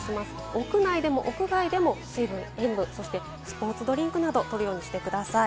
屋内でも屋外でも水分、塩分、そしてスポーツドリンクなどを摂るようにしてください。